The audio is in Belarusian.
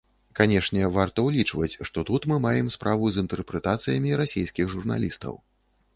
Канешне, варта ўлічваць, што тут мы маем справу з інтэрпрэтацыямі расейскіх журналістаў.